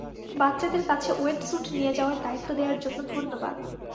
বাচ্চাদের কাছে ওয়েটস্যুট নিয়ে যাওয়ার দায়িত্ব দেয়ার জন্য ধন্যবাদ।